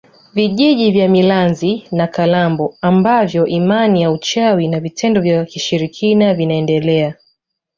Vijiji vya Milanzi na Kalambo ambavyo imani ya uchawi na vitendo vya kishirikina vinaendelea